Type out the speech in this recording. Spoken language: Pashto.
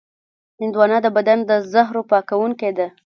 هندوانه د بدن د زهرو پاکوونکې ده.